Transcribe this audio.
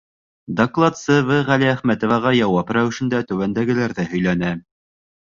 Докладсы В.Ғәлиәхмәтоваға яуап рәүешендә түбәндәгеләрҙе һөйләне.